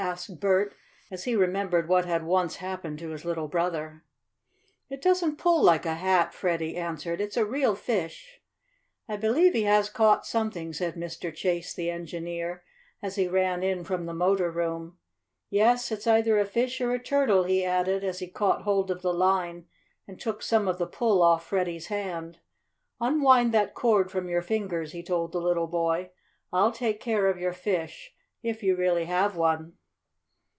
asked Bert, as he remembered what had once happened to his little brother. "It doesn't pull like a hat," Freddie answered. "It's a real fish." "I believe he has caught something," said Mr. Chase, the engineer, as he ran in from the motor room. "Yes, it's either a fish or a turtle," he added as he caught hold of the line and took some of the pull off Freddie's hand. "Unwind that cord from your fingers," he told the little boy. "I'll take care of your fish if you really have one."